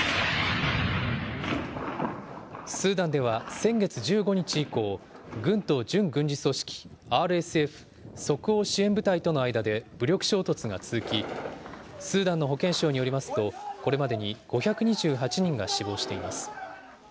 スーダンでは先月１５日以降、軍と準軍事組織、ＲＳＦ・即応支援部隊との間で武力衝突が続き、スーダンの保健省によりますと、これまで５２８人が死亡しています。